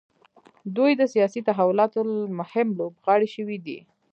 دوی د سیاسي تحولاتو مهم لوبغاړي شوي دي.